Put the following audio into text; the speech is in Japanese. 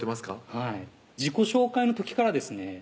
はい自己紹介の時からですね